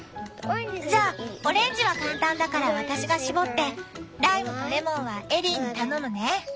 じゃあオレンジは簡単だから私が搾ってライムとレモンはエリーに頼むね。